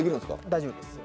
大丈夫ですよ。